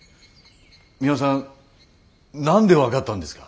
ミワさん何で分かったんですか！？